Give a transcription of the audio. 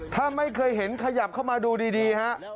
ถ้าไม่เคยเห็นขยับเข้ามาดูดีฮะ